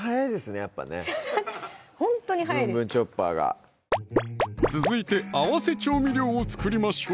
やっぱねほんとに早いです「ぶんぶんチョッパー」が続いて合わせ調味料を作りましょう！